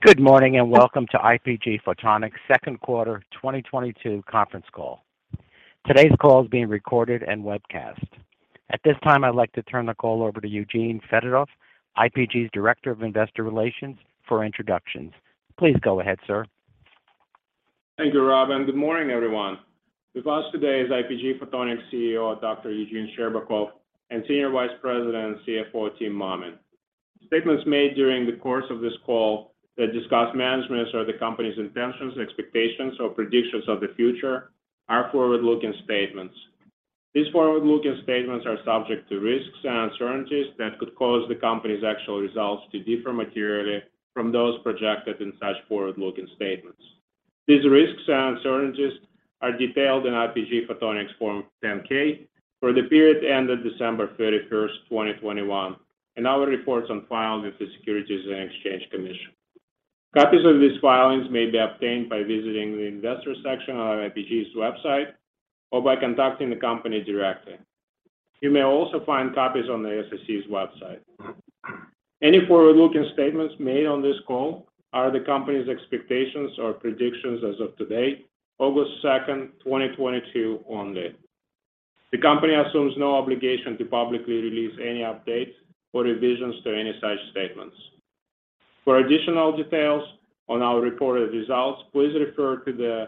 Good morning, and welcome to IPG Photonics Second Quarter 2022 Conference Call. Today's call is being recorded and webcast. At this time, I'd like to turn the call over to Eugene Fedotoff, IPG's Director of Investor Relations for introductions. Please go ahead, sir. Thank you, Rob, and good morning, everyone. With us today is IPG Photonics CEO, Dr. Eugene Scherbakov, and Senior Vice President and CFO, Tim Mammen. Statements made during the course of this call that discuss management's or the company's intentions, expectations or predictions of the future are forward-looking statements. These forward-looking statements are subject to risks and uncertainties that could cause the company's actual results to differ materially from those projected in such forward-looking statements. These risks and uncertainties are detailed in IPG Photonics Form 10-K for the period ended December 31st, 2021, and our reports on file with the Securities and Exchange Commission. Copies of these filings may be obtained by visiting the Investors section on IPG's website or by contacting the company directly. You may also find copies on the SEC's website. Any forward-looking statements made on this call are the company's expectations or predictions as of today, August 2nd, 2022 only. The company assumes no obligation to publicly release any updates or revisions to any such statements. For additional details on our reported results, please refer to the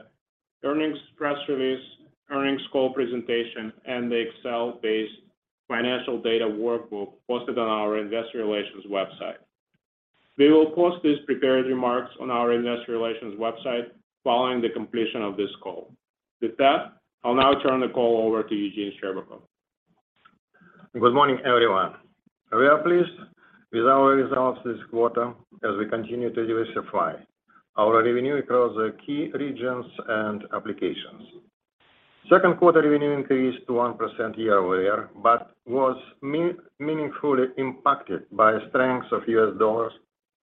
earnings press release, earnings call presentation, and the Excel-based financial data workbook posted on our investor relations website. We will post these prepared remarks on our investor relations website following the completion of this call. With that, I'll now turn the call over to Eugene Scherbakov. Good morning, everyone. We are pleased with our results this quarter as we continue to diversify our revenue across the key regions and applications. Second quarter revenue increased 1% year-over-year, but was meaningfully impacted by the strength of the US dollar,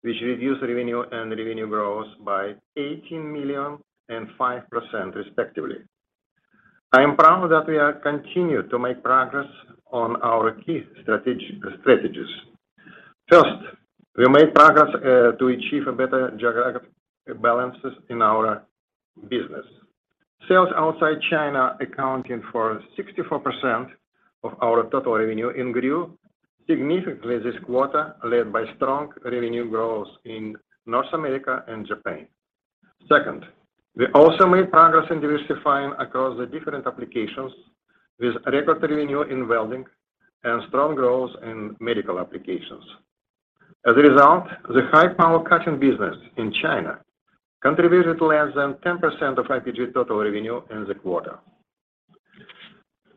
which reduced revenue and revenue growth by $18 million and 5% respectively. I am proud that we continued to make progress on our key strategies. First, we made progress to achieve a better geographic balance in our business. Sales outside China accounted for 64% of our total revenue and grew significantly this quarter, led by strong revenue growth in North America and Japan. Second, we also made progress in diversifying across the different applications with record revenue in welding and strong growth in medical applications. As a result, the high-power cutting business in China contributed less than 10% of IPG total revenue in the quarter.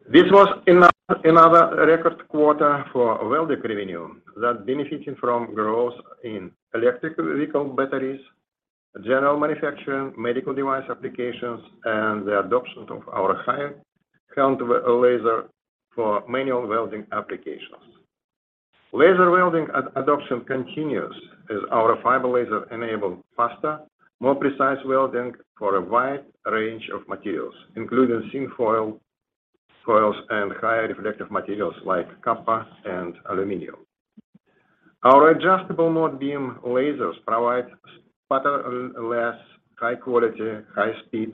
This was another record quarter for welding revenue that benefiting from growth in electric vehicle batteries, general manufacturing, medical device applications, and the adoption of our high-power CW laser for manual welding applications. Laser welding adoption continues as our fiber laser enable faster, more precise welding for a wide range of materials, including thin foils, and highly reflective materials like copper and aluminum. Our Adjustable Mode Beam lasers provide sputterless high quality, high speed,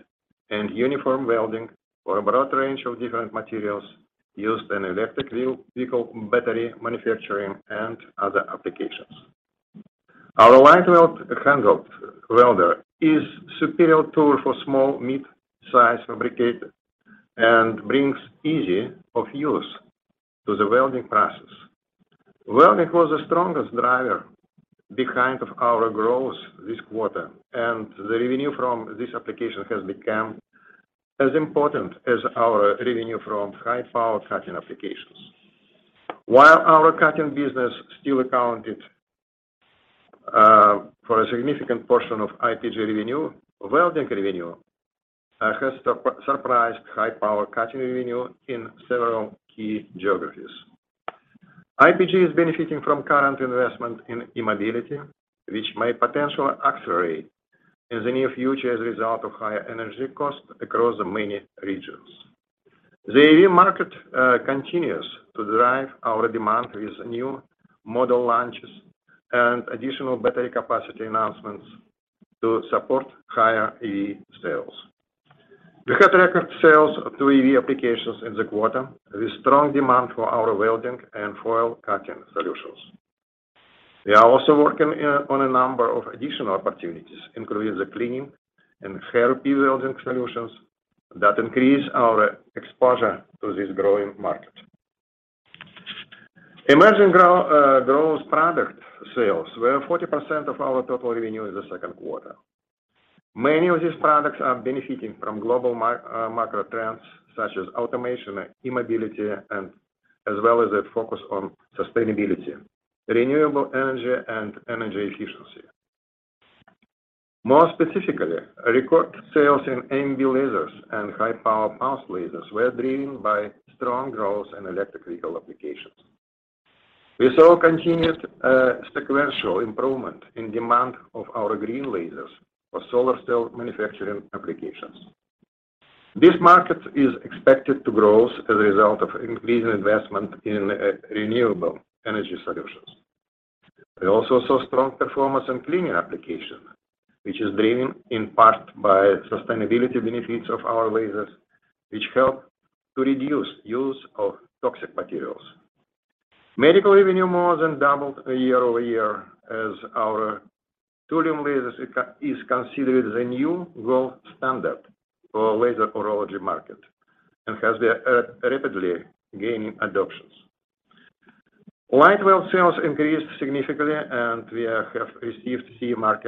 and uniform welding for a broad range of different materials used in electric vehicle battery manufacturing and other applications. Our LightWELD handheld welder is superior tool for small, midsize fabricator and brings ease of use to the welding process. Welding was the strongest driver behind our growth this quarter, and the revenue from this application has become as important as our revenue from high-power cutting applications. While our cutting business still accounted for a significant portion of IPG revenue, welding revenue has surpassed high-power cutting revenue in several key geographies. IPG is benefiting from current investment in e-mobility, which may potentially accelerate in the near future as a result of higher energy costs across many regions. The EV market continues to drive our demand with new model launches and additional battery capacity announcements to support higher EV sales. We had record sales through EV applications in the quarter with strong demand for our welding and foil cutting solutions. We are also working on a number of additional opportunities, including the cleaning and welding solutions that increase our exposure to this growing market. Emerging growth product sales were 40% of our total revenue in the second quarter. Many of these products are benefiting from global macro trends such as automation, e-mobility, and as well as a focus on sustainability, renewable energy and energy efficiency. More specifically, record sales in AMB lasers and high-power pulse lasers were driven by strong growth in electric vehicle applications. We saw continued sequential improvement in demand of our green lasers for solar cell manufacturing applications. This market is expected to grow as a result of increasing investment in renewable energy solutions. We also saw strong performance in cleaning application, which is driven in part by sustainability benefits of our lasers, which help to reduce use of toxic materials. Medical revenue more than doubled year-over-year as our Thulium laser is considered the new gold standard for laser urology market and has been rapidly gaining adoption. LightWELD sales increased significantly, and we have received CE mark,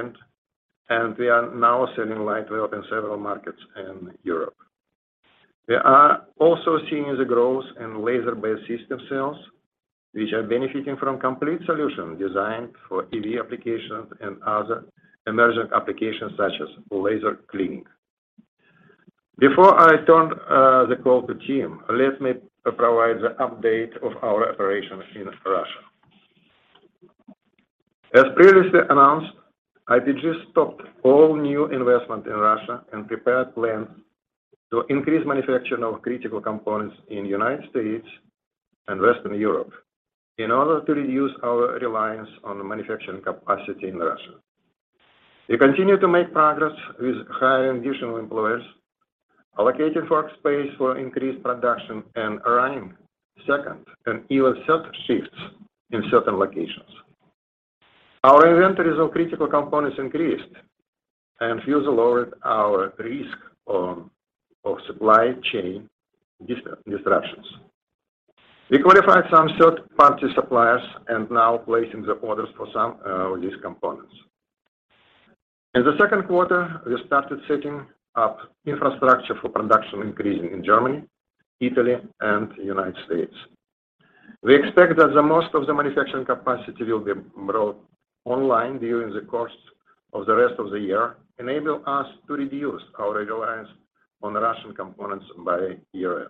and we are now selling LightWELD in several markets in Europe. We are also seeing the growth in laser-based system sales, which are benefiting from complete solution designed for EV applications and other emerging applications such as laser cleaning. Before I turn the call to Tim, let me provide the update of our operations in Russia. IPG stopped all new investment in Russia and prepared plans to increase manufacturing of critical components in United States and Western Europe in order to reduce our reliance on the manufacturing capacity in Russia. We continue to make progress with hiring additional employees, allocating workspace for increased production, and running second and even third shifts in certain locations. Our inventories of critical components increased and further lowered our risk of supply chain disruptions. We qualified some third-party suppliers and now placing the orders for some of these components. In the second quarter, we started setting up infrastructure for production increase in Germany, Italy, and United States. We expect that the most of the manufacturing capacity will be brought online during the course of the rest of the year, enable us to reduce our reliance on Russian components by year-end.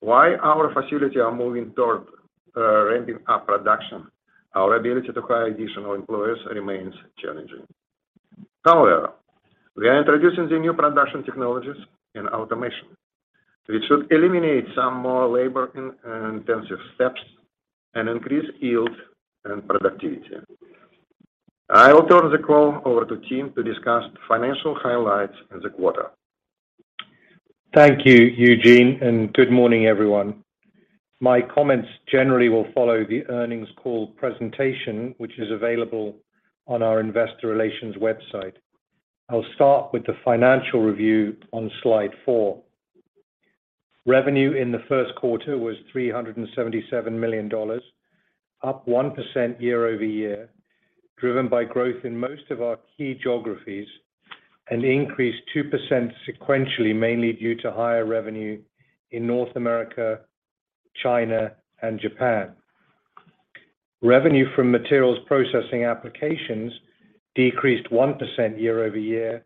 While our facility are moving toward ramping up production, our ability to hire additional employees remains challenging. However, we are introducing the new production technologies in automation, which should eliminate some more labor-intensive steps and increase yield and productivity. I will turn the call over to Tim to discuss financial highlights in the quarter. Thank you, Eugene, and good morning, everyone. My comments generally will follow the earnings call presentation, which is available on our investor relations website. I'll start with the financial review on Slide 4. Revenue in the first quarter was $377 million, up 1% year-over-year, driven by growth in most of our key geographies and increased 2% sequentially, mainly due to higher revenue in North America, China, and Japan. Revenue from materials processing applications decreased 1% year-over-year,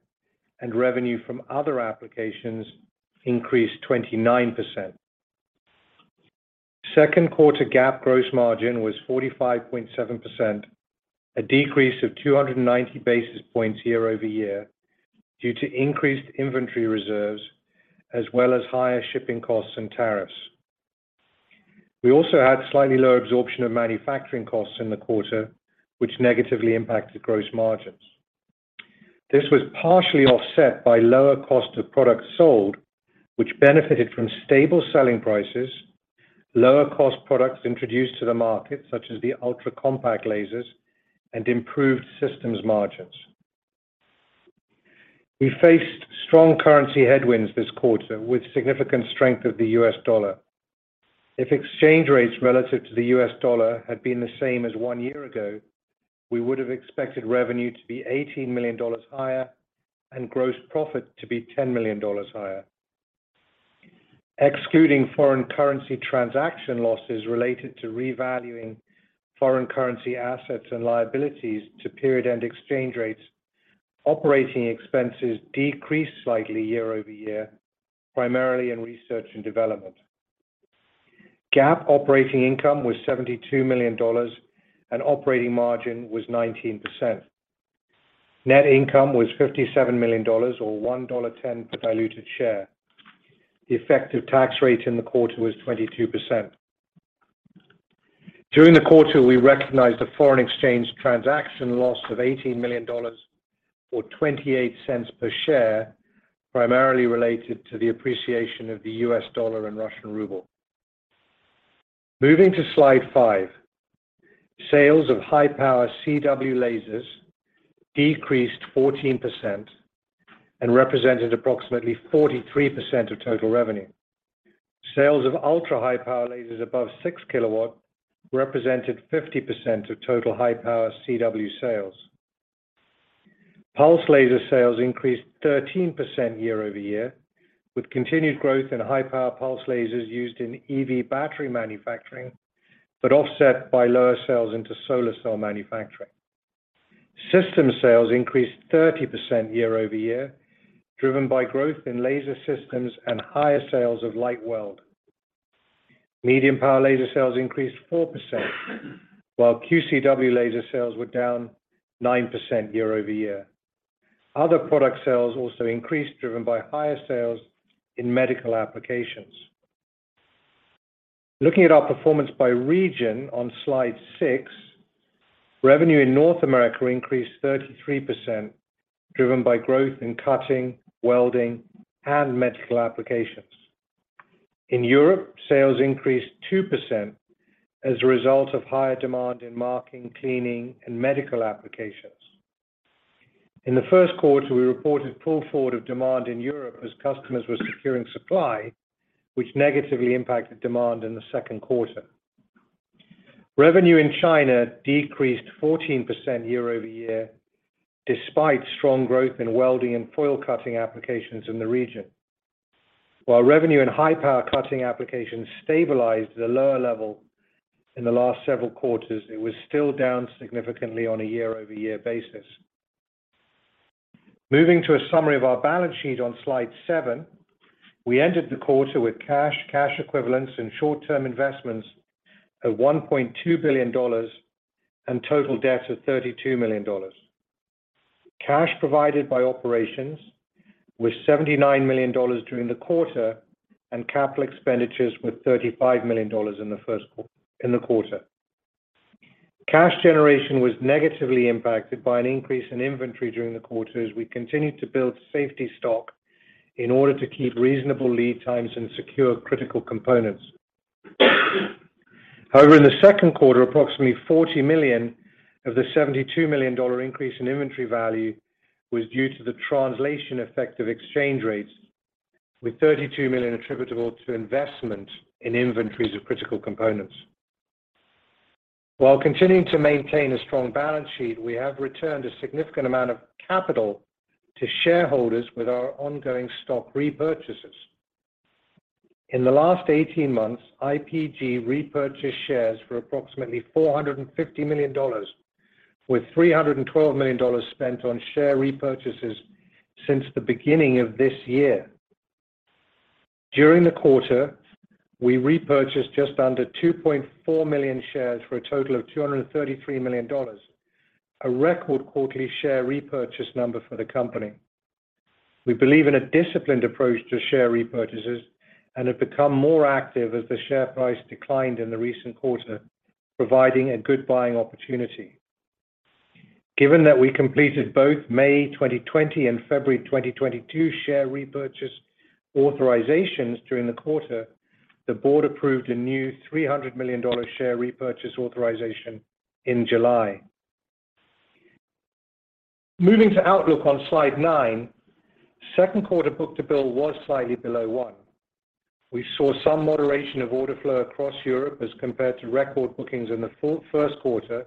and revenue from other applications increased 29%. Second quarter GAAP gross margin was 45.7%, a decrease of 290 basis points year-over-year due to increased inventory reserves as well as higher shipping costs and tariffs. We also had slightly lower absorption of manufacturing costs in the quarter, which negatively impacted gross margins. This was partially offset by lower cost of products sold, which benefited from stable selling prices, lower cost products introduced to the market such as the ultra-compact lasers, and improved systems margins. We faced strong currency headwinds this quarter with significant strength of the U.S. dollar. If exchange rates relative to the U.S. dollar had been the same as one year ago, we would have expected revenue to be $18 million higher and gross profit to be $10 million higher. Excluding foreign currency transaction losses related to revaluing foreign currency assets and liabilities to period-end exchange rates, operating expenses decreased slightly year-over-year, primarily in research and development. GAAP operating income was $72 million, and operating margin was 19%. Net income was $57 million, or $1.10 per diluted share. The effective tax rate in the quarter was 22%. During the quarter, we recognized a foreign exchange transaction loss of $18 million, or 28 cents per share, primarily related to the appreciation of the U.S. dollar and Russian ruble. Moving to Slide 5. Sales of high-power CW lasers decreased 14% and represented approximately 43% of total revenue. Sales of ultra-high-power lasers above 6 kW represented 50% of total high-power CW sales. Pulse laser sales increased 13% year-over-year, with continued growth in high-power pulse lasers used in EV battery manufacturing, but offset by lower sales into solar cell manufacturing. System sales increased 30% year-over-year, driven by growth in laser systems and higher sales of LightWELD. Medium power laser sales increased 4%, while QCW laser sales were down 9% year-over-year. Other product sales also increased, driven by higher sales in medical applications. Looking at our performance by region on Slide 6, revenue in North America increased 33%, driven by growth in cutting, welding, and medical applications. In Europe, sales increased 2% as a result of higher demand in marking, cleaning, and medical applications. In the first quarter, we reported pull forward of demand in Europe as customers were securing supply, which negatively impacted demand in the second quarter. Revenue in China decreased 14% year-over-year, despite strong growth in welding and foil cutting applications in the region. While revenue in high power cutting applications stabilized at a lower level in the last several quarters, it was still down significantly on a year-over-year basis. Moving to a summary of our balance sheet on Slide 7. We ended the quarter with cash equivalents, and short-term investments of $1.2 billion and total debts of $32 million. Cash provided by operations was $79 million during the quarter, and capital expenditures were $35 million in the quarter. Cash generation was negatively impacted by an increase in inventory during the quarter as we continued to build safety stock in order to keep reasonable lead times and secure critical components. However, in the second quarter, approximately $40 million of the $72 million dollar increase in inventory value was due to the translation effect of exchange rates, with $32 million attributable to investment in inventories of critical components. While continuing to maintain a strong balance sheet, we have returned a significant amount of capital to shareholders with our ongoing stock repurchases. In the last 18 months, IPG repurchased shares for approximately $450 million, with $312 million spent on share repurchases since the beginning of this year. During the quarter, we repurchased just under 2.4 million shares for a total of $233 million, a record quarterly share repurchase number for the company. We believe in a disciplined approach to share repurchases and have become more active as the share price declined in the recent quarter, providing a good buying opportunity. Given that we completed both May 2020 and February 2022 share repurchase authorizations during the quarter, the board approved a new $300 million share repurchase authorization in July. Moving to outlook on Slide 9. Second quarter book-to-bill was slightly below one. We saw some moderation of order flow across Europe as compared to record bookings in the first quarter,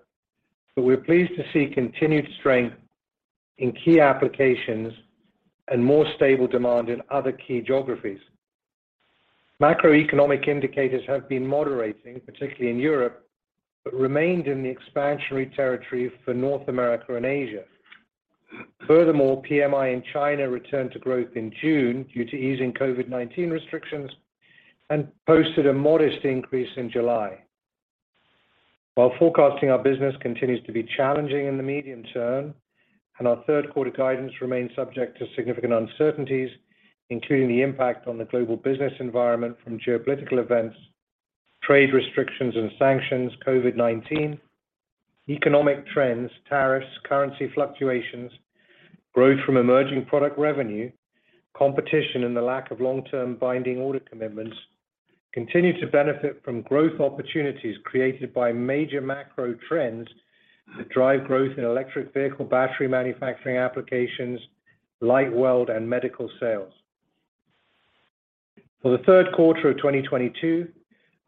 but we're pleased to see continued strength in key applications and more stable demand in other key geographies. Macroeconomic indicators have been moderating, particularly in Europe, but remained in the expansionary territory for North America and Asia. Furthermore, PMI in China returned to growth in June due to easing COVID-19 restrictions and posted a modest increase in July. While forecasting our business continues to be challenging in the medium term and our third quarter guidance remains subject to significant uncertainties, including the impact on the global business environment from geopolitical events, trade restrictions and sanctions, COVID-19, economic trends, tariffs, currency fluctuations, growth from emerging product revenue, competition, and the lack of long-term binding order commitments continue to benefit from growth opportunities created by major macro trends that drive growth in electric vehicle battery manufacturing applications, LightWELD, and medical sales. For the third quarter of 2022,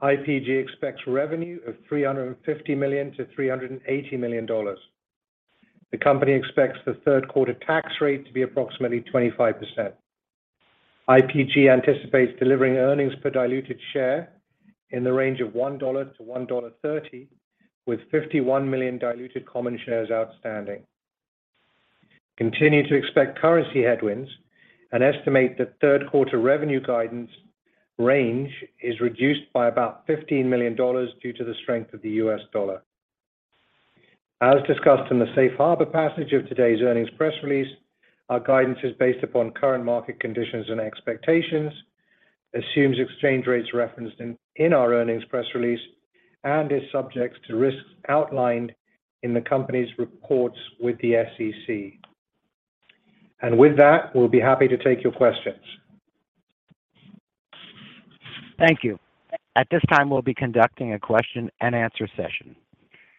IPG expects revenue of $350 million to $380 million. The company expects the third quarter tax rate to be approximately 25%. IPG anticipates delivering earnings per diluted share in the range of $1 to $1.30, with 51 million diluted common shares outstanding. Continue to expect currency headwinds and estimate that third quarter revenue guidance range is reduced by about $15 million due to the strength of the U.S. dollar. As discussed in the Safe Harbor passage of today's earnings press release, our guidance is based upon current market conditions and expectations, assumes exchange rates referenced in our earnings press release, and is subject to risks outlined in the company's reports with the SEC. With that, we'll be happy to take your questions. Thank you. At this time, we'll be conducting a question-and-answer session.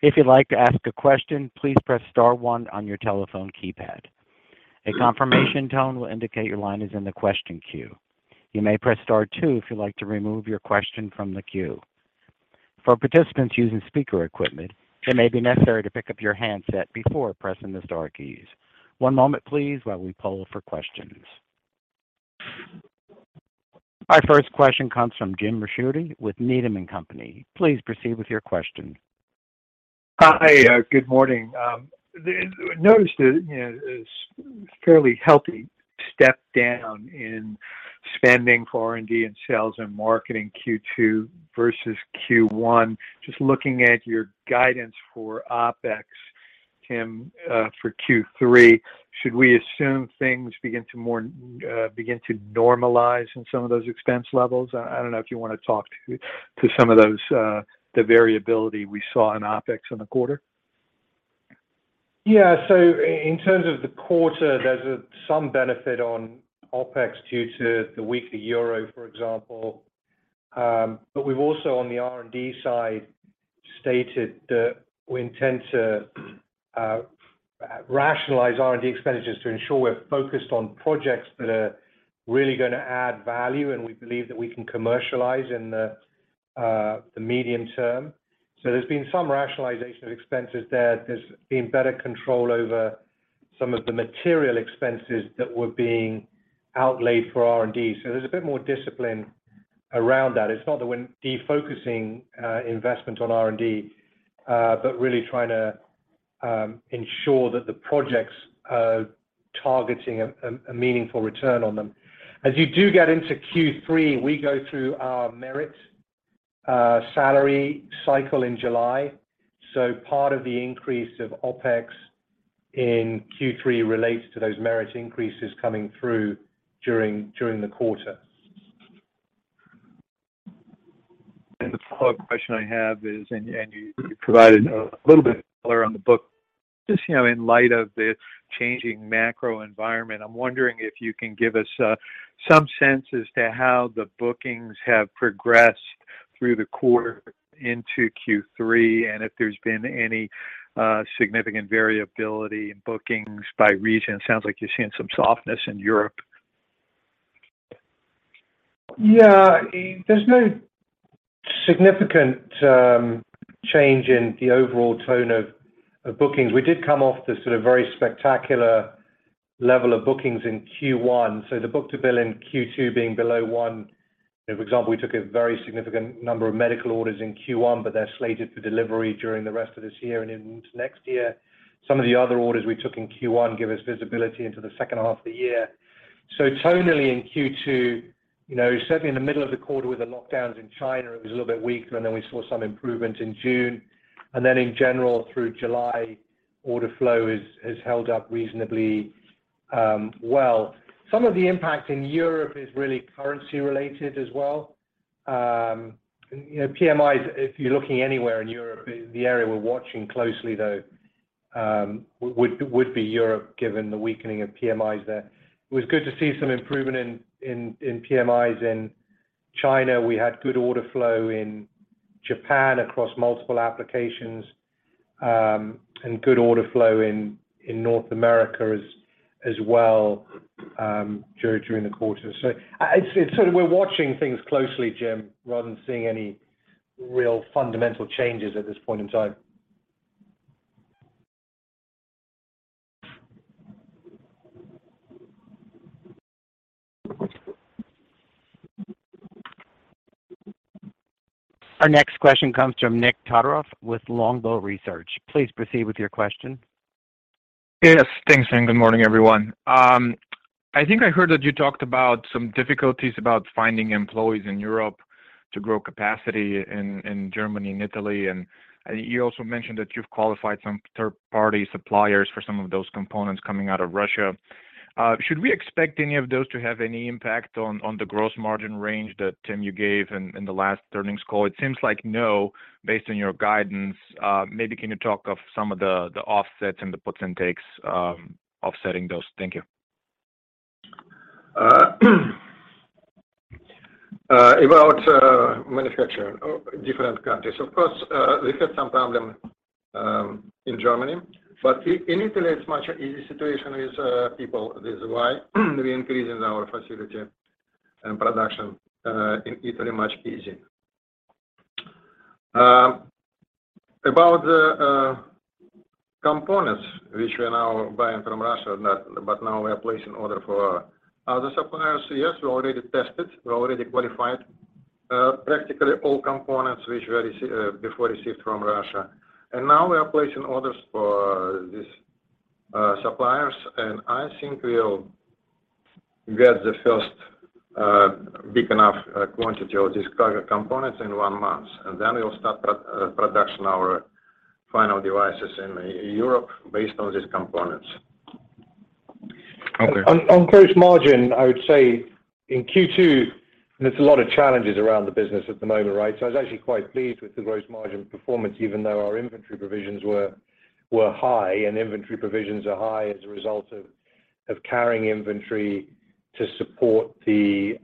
If you'd like to ask a question, please press star one on your telephone keypad. A confirmation tone will indicate your line is in the question queue. You may press star two if you'd like to remove your question from the queue. For participants using speaker equipment, it may be necessary to pick up your handset before pressing the star keys. One moment please while we poll for questions. Our first question comes from Jim Ricchiuti with Needham & Company. Please proceed with your question. Hi, good morning. I noticed a fairly healthy step down in spending for R&D and sales and marketing Q2 versus Q1. Just looking at your guidance for OpEx, Tim, for Q3, should we assume things begin to normalize in some of those expense levels? I don't know if you wanna talk to some of those, the variability we saw in OpEx in the quarter. Yeah. In terms of the quarter, there's some benefit on OpEx due to the weaker euro, for example. We've also, on the R&D side, stated that we intend to rationalize R&D expenditures to ensure we're focused on projects that are really gonna add value, and we believe that we can commercialize in the medium term. There's been some rationalization of expenses there. There's been better control over some of the material expenses that were being outlaid for R&D. There's a bit more discipline around that. It's not that we're defocusing investment on R&D, but really trying to ensure that the projects are targeting a meaningful return on them. As you do get into Q3, we go through our merit salary cycle in July. Part of the increase of OpEx in Q3 relates to those merit increases coming through during the quarter. The follow-up question I have is, you provided a little bit of color on the book. Just, you know, in light of the changing macro environment, I'm wondering if you can give us some sense as to how the bookings have progressed through the quarter into Q3, and if there's been any significant variability in bookings by region. It sounds like you're seeing some softness in Europe. Yeah. There's no significant change in the overall tone of bookings. We did come off the sort of very spectacular level of bookings in Q1, so the book-to-bill in Q2 being below one. You know, for example, we took a very significant number of medical orders in Q1, but they're slated for delivery during the rest of this year and into next year. Some of the other orders we took in Q1 give us visibility into the second half of the year. Tonally in Q2, you know, certainly in the middle of the quarter with the lockdowns in China, it was a little bit weaker. We saw some improvement in June. In general through July, order flow has held up reasonably well. Some of the impact in Europe is really currency related as well. You know, PMIs, if you're looking anywhere in Europe, the area we're watching closely though would be Europe, given the weakening of PMIs there. It was good to see some improvement in PMIs in China. We had good order flow in Japan across multiple applications, and good order flow in North America as well during the quarter. We're watching things closely, Jim, rather than seeing any real fundamental changes at this point in time. Our next question comes from Nikolay Todorov with Longbow Research. Please proceed with your question. Yes. Thanks, and good morning, everyone. I think I heard that you talked about some difficulties about finding employees in Europe to grow capacity in Germany and Italy, and you also mentioned that you've qualified some third-party suppliers for some of those components coming out of Russia. Should we expect any of those to have any impact on the gross margin range that Tim, you gave in the last earnings call? It seems like no, based on your guidance. Maybe can you talk of some of the offsets and the puts and takes offsetting those? Thank you. About manufacturing in different countries. Of course, we had some problem in Germany. In Italy it's much easier situation with people. This is why we're increasing our facility and production in Italy much easier. About the components which we're now buying from Russia, but now we are placing order for other suppliers. Yes, we already tested, we already qualified practically all components which we received before from Russia. Now we are placing orders for these suppliers. I think we'll get the first big enough quantity of these core components in one month, and then we'll start production of our final devices in Europe based on these components. Okay. On gross margin, I would say in Q2, there's a lot of challenges around the business at the moment, right? I was actually quite pleased with the gross margin performance, even though our inventory provisions were high. Inventory provisions are high as a result of carrying inventory to support the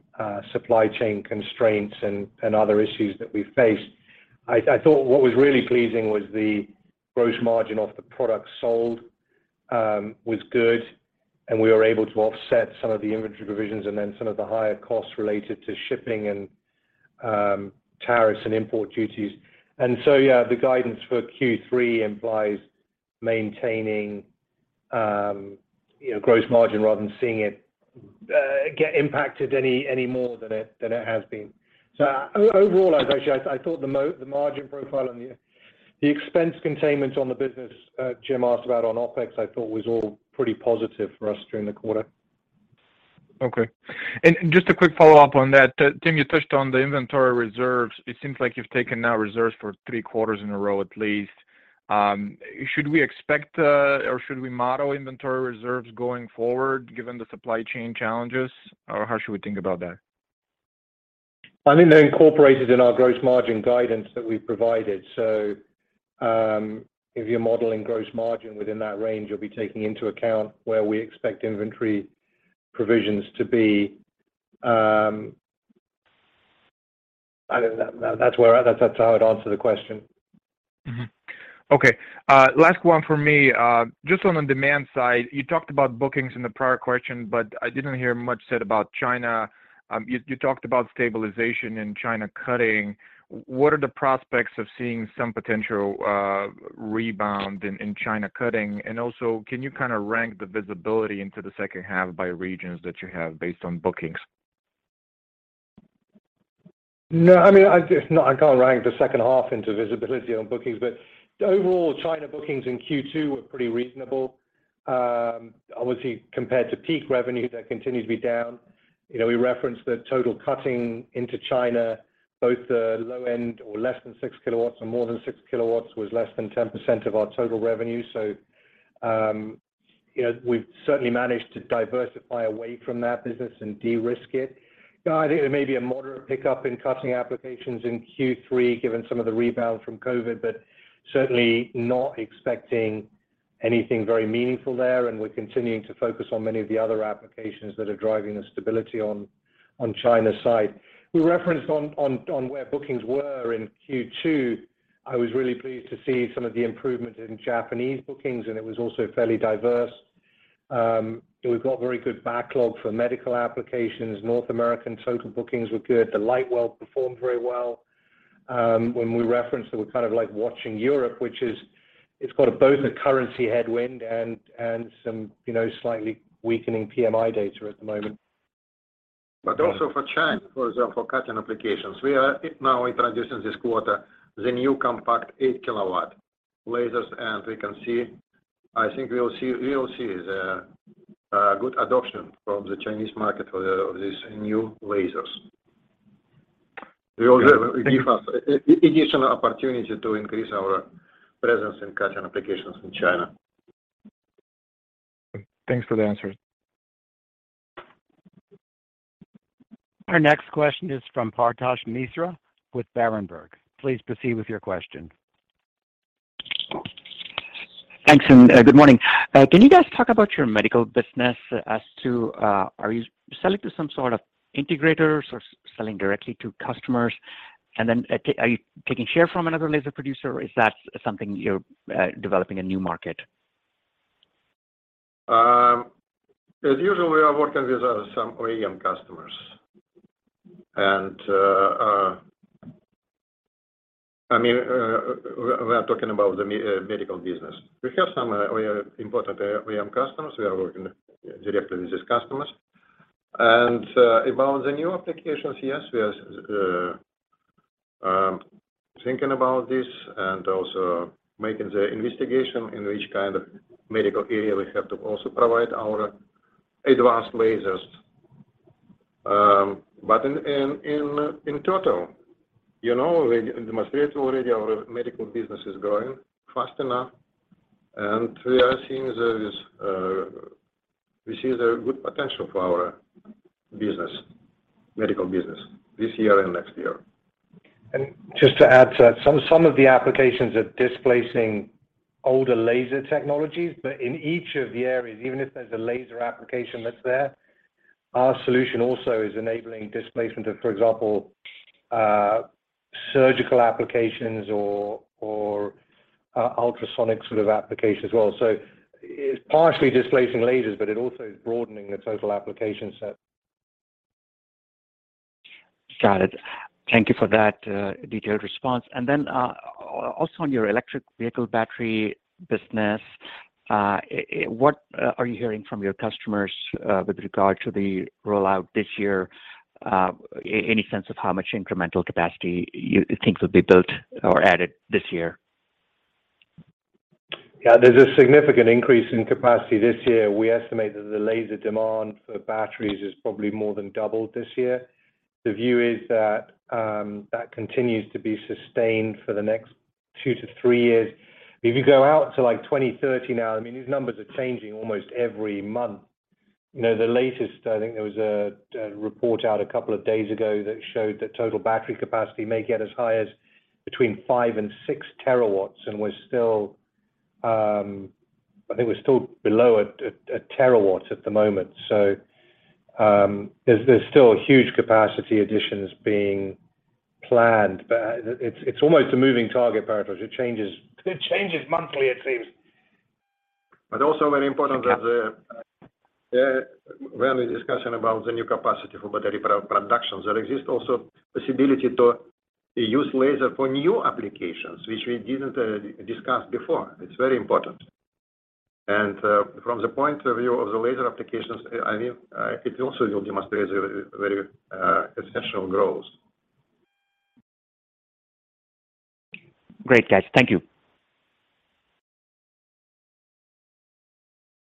supply chain constraints and other issues that we faced. I thought what was really pleasing was the gross margin of the products sold was good, and we were able to offset some of the inventory provisions and then some of the higher costs related to shipping and tariffs and import duties. Yeah, the guidance for Q3 implies maintaining, you know, gross margin rather than seeing it get impacted any more than it has been. Overall, I'd actually... I thought the margin profile and the expense containment on the business Jim asked about on OpEx was all pretty positive for us during the quarter. Okay. Just a quick follow-up on that. Tim, you touched on the inventory reserves. It seems like you've taken no reserves for three quarters in a row at least. Should we expect or should we model inventory reserves going forward given the supply chain challenges, or how should we think about that? I think they're incorporated in our gross margin guidance that we've provided. If you're modeling gross margin within that range, you'll be taking into account where we expect inventory provisions to be. I think that's where. That's how I'd answer the question. Okay. Last one from me. Just on the demand side, you talked about bookings in the prior question, but I didn't hear much said about China. You talked about stabilization in China cutting. What are the prospects of seeing some potential rebound in China cutting? And also, can you kind of rank the visibility into the second half by regions that you have based on bookings? No, I mean, No, I can't rank the second half into visibility on bookings, but overall China bookings in Q2 were pretty reasonable. Obviously compared to peak revenue, that continues to be down. You know, we referenced the total cutting into China, both the low end or less than 6 kW or more than 6 kW was less than 10% of our total revenue. So, you know, we've certainly managed to diversify away from that business and de-risk it. You know, I think there may be a moderate pickup in cutting applications in Q3 given some of the rebound from COVID-19, but certainly not expecting anything very meaningful there, and we're continuing to focus on many of the other applications that are driving the stability on China's side. We referenced where bookings were in Q2. I was really pleased to see some of the improvement in Japanese bookings, and it was also fairly diverse. We've got very good backlog for medical applications. North American total bookings were good. The LightWELD performed very well. When we referenced that we're kind of like watching Europe, which it's got both a currency headwind and some, you know, slightly weakening PMI data at the moment. Also for China, for example, cutting applications. We are now introducing this quarter the new compact 8 kW lasers, and we can see we will see the good adoption from the Chinese market of these new lasers. We also Yeah. Thank you. Give us additional opportunity to increase our presence in cutting applications in China. Thanks for the answers. Our next question is from Paretosh Misra with Berenberg. Please proceed with your question. Thanks, good morning. Can you guys talk about your medical business as to, are you selling to some sort of integrators or selling directly to customers? Are you taking share from another laser producer, or is that something you're developing a new market? As usual, we are working with some OEM customers. I mean, we're talking about the medical business. We have some important OEM customers. We are working directly with these customers. About the new applications, yes, we are thinking about this and also making the investigation in which kind of medical area we have to also provide our advanced lasers. In total, you know, we demonstrate already our medical business is growing fast enough, and we see the good potential for our business, medical business this year and next year. Just to add to that, some of the applications are displacing older laser technologies, but in each of the areas, even if there's a laser application that's there, our solution also is enabling displacement of, for example, surgical applications or ultrasonic sort of applications as well. It's partially displacing lasers, but it also is broadening the total application set. Got it. Thank you for that, detailed response. Also on your electric vehicle battery business, what are you hearing from your customers with regard to the rollout this year? Any sense of how much incremental capacity you think will be built or added this year? Yeah, there's a significant increase in capacity this year. We estimate that the laser demand for batteries is probably more than doubled this year. The view is that that continues to be sustained for the next two to three years. If you go out to like 2030 now, I mean, these numbers are changing almost every month. You know, the latest, I think there was a report out a couple of days ago that showed that total battery capacity may get as high as between 5 and 6 terawatts, and we're still, I think we're still below a terawatt at the moment. There's still huge capacity additions being planned, but it's almost a moving target. Paretosh. It changes monthly it seems. Also very important that. When we're discussing about the new capacity for battery productions, there exists also possibility to use laser for new applications, which we didn't discuss before. It's very important. From the point of view of the laser applications, I mean, it also will demonstrate a very exceptional growth. Great, guys. Thank you.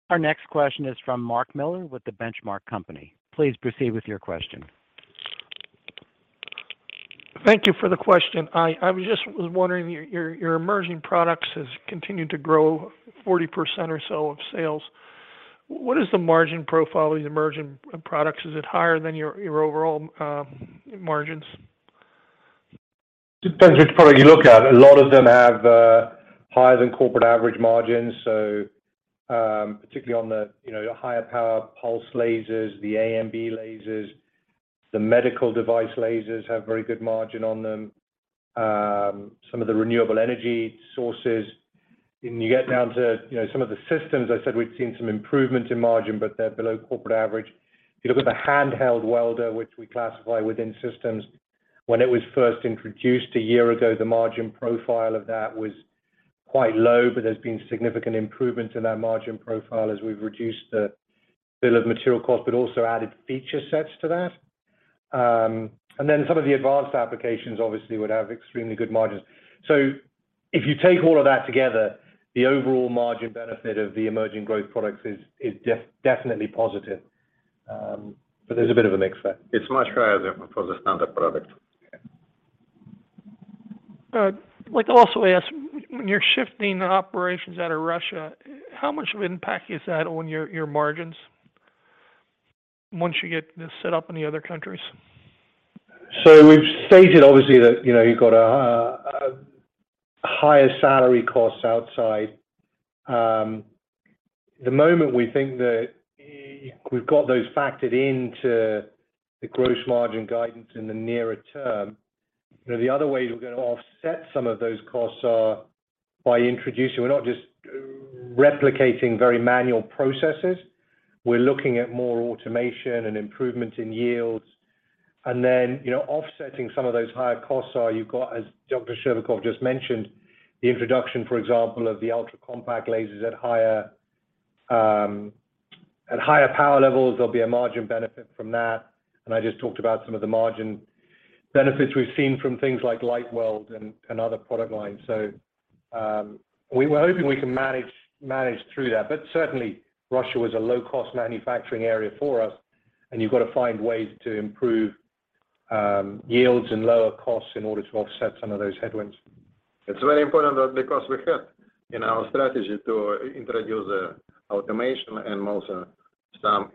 Our next question is from Mark Miller with The Benchmark Company. Please proceed with your question. Thank you for the question. I was just wondering, your emerging products has continued to grow 40% or so of sales. What is the margin profile of these emerging products? Is it higher than your overall margins? Depends which product you look at. A lot of them have higher than corporate average margins, so particularly on the, you know, higher power pulse lasers, the AMB lasers, the medical device lasers have very good margin on them. Some of the renewable energy sources. When you get down to, you know, some of the systems, I said we'd seen some improvements in margin, but they're below corporate average. If you look at the handheld welder, which we classify within systems, when it was first introduced a year ago, the margin profile of that was quite low, but there's been significant improvement in that margin profile as we've reduced the bill of material cost, but also added feature sets to that. Then some of the advanced applications obviously would have extremely good margins. If you take all of that together, the overall margin benefit of the emerging growth products is definitely positive. But there's a bit of a mix there. It's much higher than for the standard product. Like to also ask, when you're shifting operations out of Russia, how much of impact is that on your margins once you get this set up in the other countries? We've stated obviously that, you know, you've got a higher salary cost outside. The moment we think that we've got those factored into the gross margin guidance in the nearer term, you know, the other way we're gonna offset some of those costs are by introducing. We're not just replicating very manual processes. We're looking at more automation and improvement in yields. You know, offsetting some of those higher costs are, you've got, as Dr. Scherbakov just mentioned, the introduction, for example, of the ultra-compact lasers at higher power levels. There'll be a margin benefit from that. I just talked about some of the margin benefits we've seen from things like LightWELD and other product lines. We were hoping we can manage through that. Certainly Russia was a low-cost manufacturing area for us, and you've got to find ways to improve yields and lower costs in order to offset some of those headwinds. It's very important that because we have in our strategy to introduce automation and also some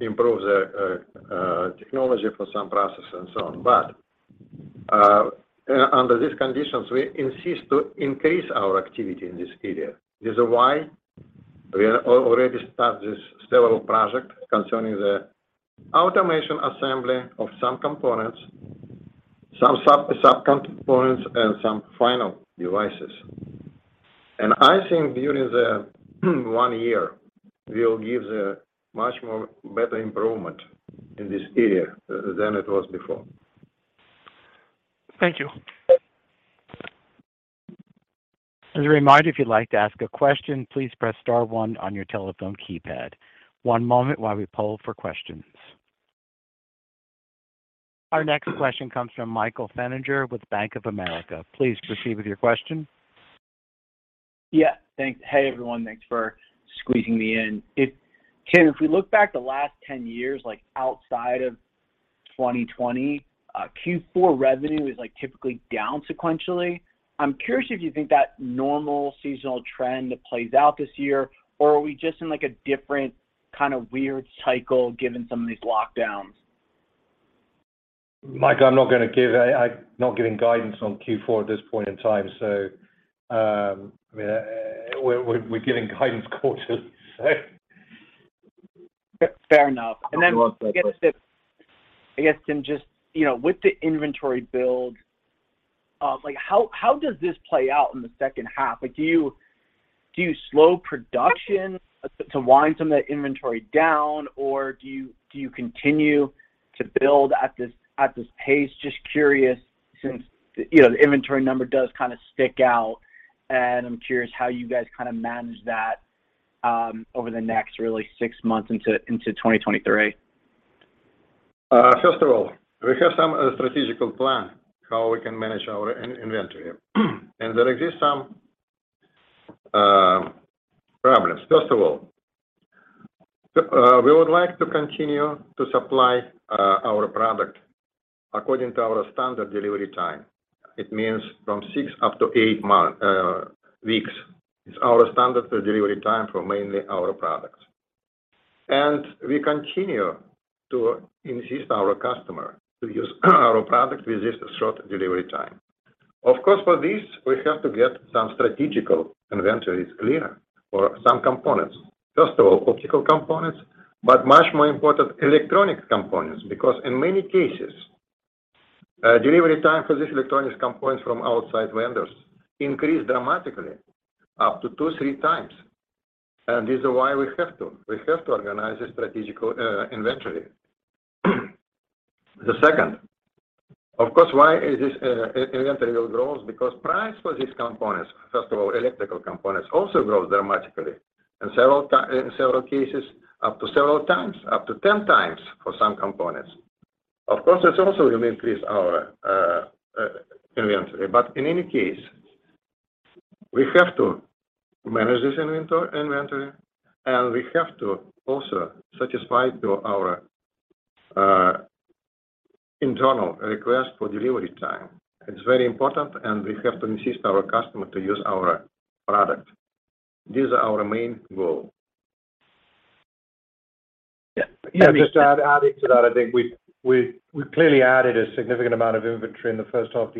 improve the technology for some processes and so on. Under these conditions, we insist to increase our activity in this area. This is why we are already start this several project concerning the automation assembly of some components, some subcomponents, and some final devices. I think during the one-year, we'll give the much more better improvement in this area than it was before. Thank you. As a reminder, if you'd like to ask a question, please press star one on your telephone keypad. One moment while we poll for questions. Our next question comes from Michael Feniger with Bank of America. Please proceed with your question. Yeah. Thanks. Hey, everyone. Thanks for squeezing me in. If, Tim Mammen, we look back the last 10 years, like outside of 2020, Q4 revenue is like typically down sequentially. I'm curious if you think that normal seasonal trend plays out this year, or are we just in like a different kind of weird cycle given some of these lockdowns? Michael, I'm not giving guidance on Q4 at this point in time, so I mean, we're giving guidance quarterly, so. Fair enough. Then I guess if I guess then just you know with the inventory build like how does this play out in the second half? Like do you do you slow production to wind some of that inventory down or do you do you continue to build at this pace? Just curious since you know the inventory number does kind of stick out and I'm curious how you guys kind of manage that over the next really six months into 2023. First of all, we have some strategical plan how we can manage our inventory. There exists some problems. First of all, we would like to continue to supply our product according to our standard delivery time. It means from six up to eight weeks is our standard delivery time for mainly our products. We continue to insist our customer to use our product with this short delivery time. Of course, for this, we have to get some strategical inventories clear for some components. First of all, optical components, but much more important, electronic components. Because in many cases delivery time for these electronic components from outside vendors increased dramatically up to 2x, 3x. This is why we have to organize a strategical inventory. The second, of course, why is this inventory will grows? Because price for these components, first of all, electrical components, also grows dramatically. In several cases, up to several times, up to 10x for some components. Of course, this also will increase our inventory. But in any case, we have to manage this inventory, and we have to also satisfy to our internal request for delivery time. It's very important, and we have to insist our customer to use our product. This is our main goal. Yeah. Just to add to that, I think we've clearly added a significant amount of inventory in the first half of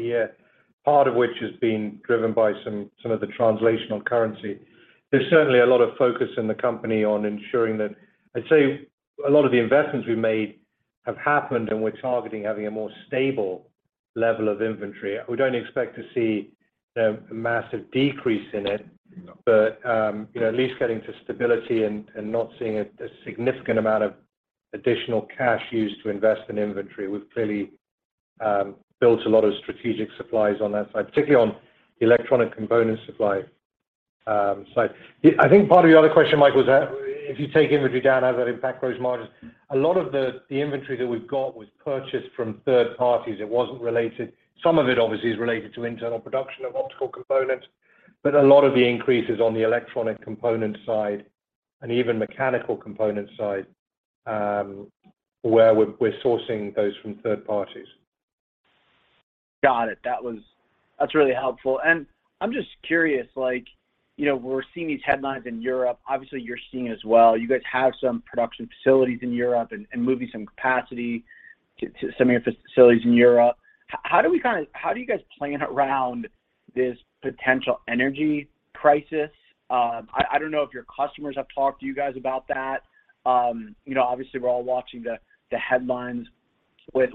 the year, part of which has been driven by some of the translational currency. There's certainly a lot of focus in the company on ensuring that. I'd say a lot of the investments we've made have happened, and we're targeting having a more stable level of inventory. We don't expect to see the massive decrease in it. You know, at least getting to stability and not seeing a significant amount of additional cash used to invest in inventory. We've clearly built a lot of strategic supplies on that side, particularly on electronic component supply side. I think part of your other question, Mike, was that if you take inventory down, how does that impact gross margins? A lot of the inventory that we've got was purchased from third parties. It wasn't related. Some of it obviously is related to internal production of optical components, but a lot of the increase is on the electronic component side and even mechanical component side, where we're sourcing those from third parties. Got it. That's really helpful. I'm just curious, like, you know, we're seeing these headlines in Europe, obviously you're seeing it as well. You guys have some production facilities in Europe and moving some capacity to some of your facilities in Europe. How do you guys plan around this potential energy crisis? I don't know if your customers have talked to you guys about that. You know, obviously we're all watching the headlines with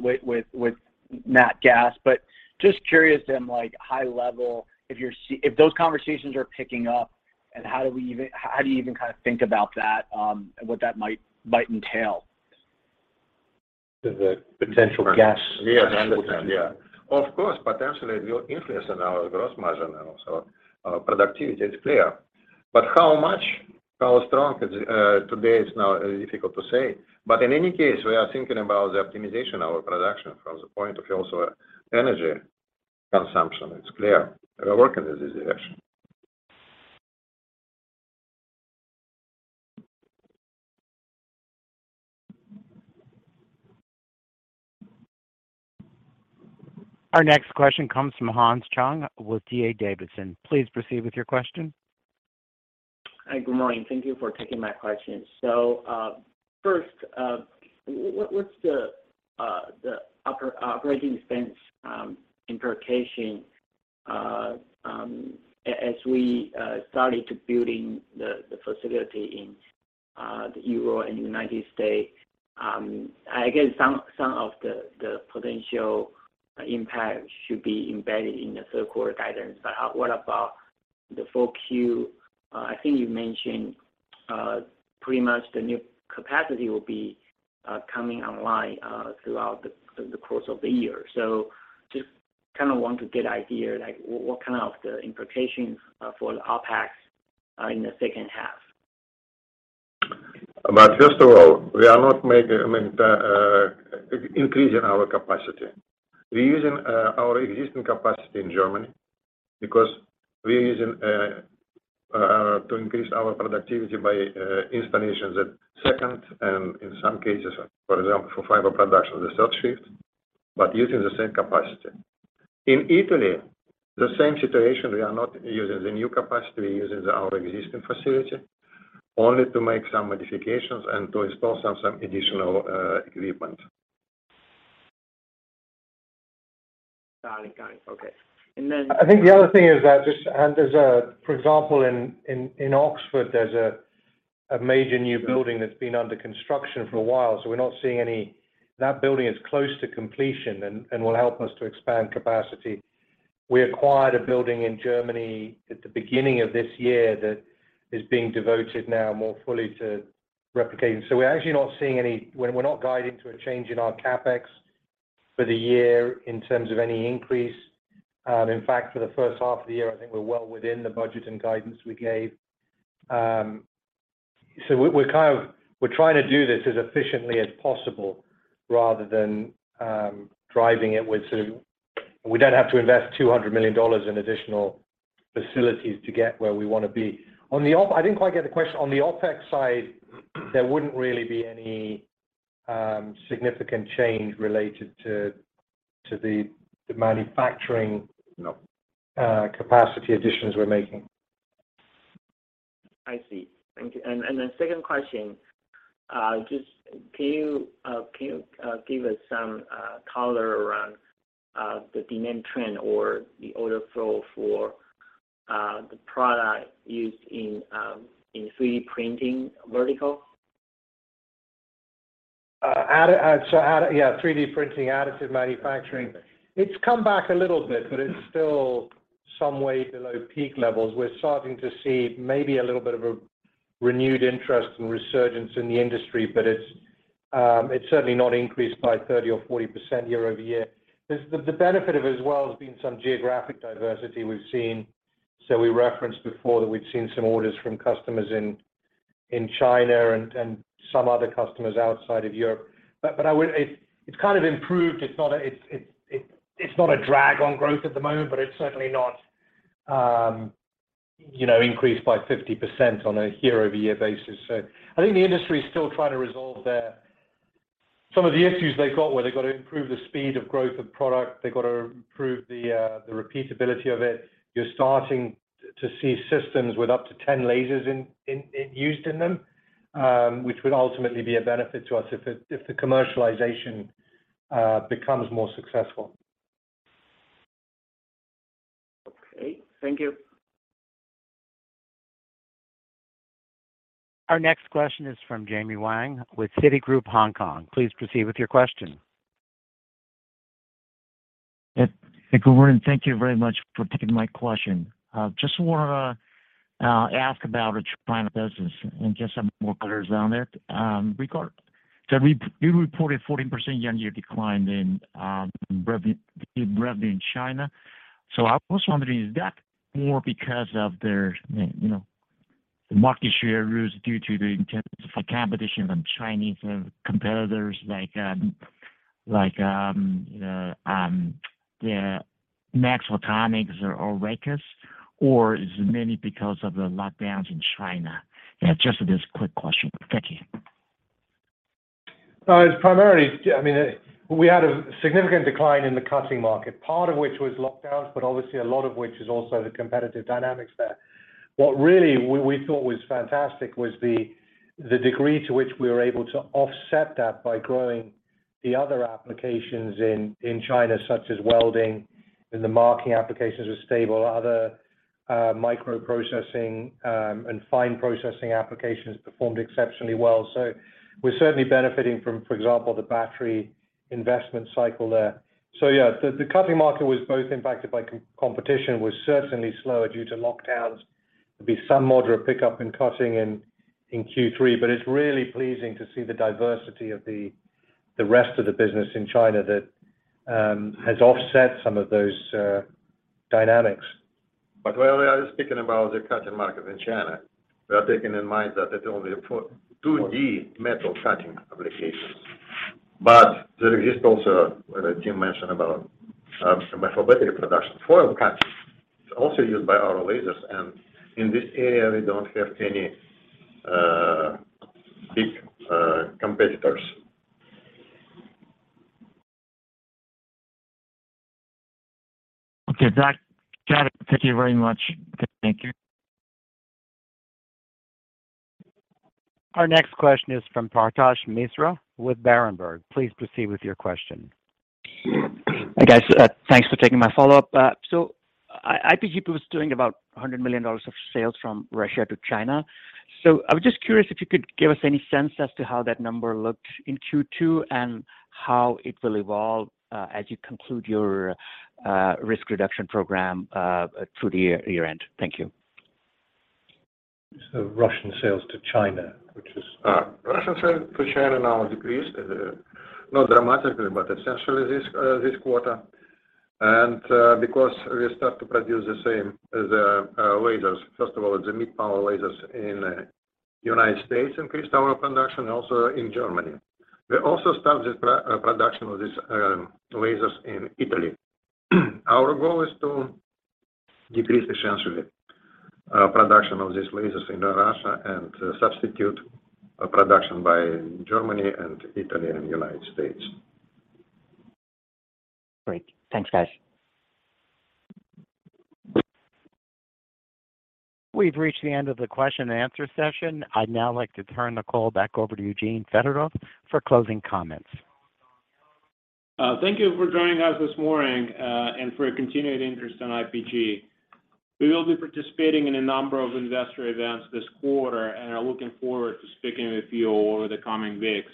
nat gas, but just curious then, like, high level, if those conversations are picking up and how do you even kind of think about that, and what that might entail? The potential gas. Yes, I understand, yeah. Of course, potentially it will influence on our gross margin and also our productivity, it's clear. How much, how strong is, today is now difficult to say. In any case, we are thinking about the optimization of our production from the point of also energy consumption. It's clear. We are working in this direction. Our next question comes from Hans Chung with D.A. Davidson & Co. Please proceed with your question. Hi. Good morning. Thank you for taking my questions. First, what's the operating expense implication as we started building the facility in Europe and the United States. I guess some of the potential impact should be embedded in the third quarter guidance. What about the full Q? I think you mentioned pretty much the new capacity will be coming online throughout the course of the year. Just kind of want to get idea, like what kind of the implications for the OpEx in the second half. First of all, we are not making, I mean, increasing our capacity. We're using our existing capacity in Germany because we're using to increase our productivity by installations at second and in some cases, for example, for fiber production, the third shift, but using the same capacity. In Italy, the same situation. We are not using the new capacity. We're using our existing facility only to make some modifications and to install some additional equipment. Got it. Okay. And then— I think the other thing is that for example, in Oxford, there's a major new building that's been under construction for a while, so we're not seeing any. That building is close to completion and will help us to expand capacity. We acquired a building in Germany at the beginning of this year that is being devoted now more fully to replicating. We're not guiding to a change in our CapEx for the year in terms of any increase. In fact, for the first half of the year, I think we're well within the budget and guidance we gave. We're trying to do this as efficiently as possible rather than driving it with sort of. We don't have to invest $200 million in additional facilities to get where we wanna be. I didn't quite get the question. On the OpEx side, there wouldn't really be any significant change related to the manufacturing— No. Capacity additions we're making. I see. Thank you. The second question, just can you give us some color around the demand trend or the order flow for the product used in 3D printing vertical? Yeah, 3D printing, additive manufacturing. It's come back a little bit, but it's still some way below peak levels. We're starting to see maybe a little bit of a renewed interest and resurgence in the industry, but it's certainly not increased by 30% or 40% year-over-year. The benefit of it as well has been some geographic diversity we've seen. We referenced before that we'd seen some orders from customers in China and some other customers outside of Europe. It's kind of improved. It's not a drag on growth at the moment, but it's certainly not, you know, increased by 50% on a year-over-year basis. I think the industry is still trying to resolve some of the issues they got, where they've got to improve the speed of growth of product. They've got to improve the repeatability of it. You're starting to see systems with up to 10 lasers used in them, which would ultimately be a benefit to us if the commercialization becomes more successful. Okay. Thank you. Our next question is from Jamie Wang with Citigroup Hong Kong. Please proceed with your question. Yeah. Good morning, thank you very much for taking my question. Just wanna ask about the China business and just some more color on it. We reported 14% year-on-year decline in revenue in China. I was wondering, is that more because of there, you know, the market share loss due to the intensified competition from Chinese competitors like the Maxphotonics or Raycus, or is it mainly because of the lockdowns in China? Yeah, just this quick question. Thank you. It's primarily I mean, we had a significant decline in the cutting market, part of which was lockdowns, but obviously a lot of which is also the competitive dynamics there. What really we thought was fantastic was the degree to which we were able to offset that by growing the other applications in China, such as welding, and the marking applications were stable. Other microprocessing and fine processing applications performed exceptionally well. We're certainly benefiting from, for example, the battery investment cycle there. The cutting market was both impacted by competition, was certainly slower due to lockdowns. There'll be some moderate pickup in cutting in Q3. It's really pleasing to see the diversity of the rest of the business in China that has offset some of those dynamics. While we are speaking about the cutting market in China, we are taking in mind that it's only for 2D metal cutting applications. There is also, Jim mentioned about, for battery production, foil cutting is also used by our lasers, and in this area we don't have any big competitors. Okay. Got it. Thank you very much. Thank you. Our next question is from Paretosh Misra with Berenberg. Please proceed with your question. Hi, guys. Thanks for taking my follow-up. IPG was doing about $100 million of sales from Russia to China. I was just curious if you could give us any sense as to how that number looked in Q2 and how it will evolve as you conclude your risk reduction program through the year-end. Thank you. Russian sales to China, which is— Russian sales to China now decreased, not dramatically, but essentially this quarter. Because we start to produce the same lasers. First of all, the mid-power lasers in United States increased our production, also in Germany. We also start the pre-production of these lasers in Italy. Our goal is to decrease essentially production of these lasers in Russia and substitute production by Germany and Italy and United States. Great. Thanks, guys. We've reached the end of the question and answer session. I'd now like to turn the call back over to Eugene Fedotoff for closing comments. Thank you for joining us this morning, and for your continued interest in IPG. We will be participating in a number of investor events this quarter and are looking forward to speaking with you over the coming weeks.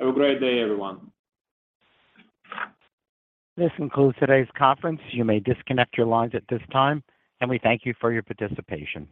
Have a great day, everyone. This concludes today's conference. You may disconnect your lines at this time, and we thank you for your participation.